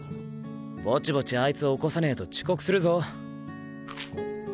ぼちぼちあいつ起こさねぇと遅刻するぞ。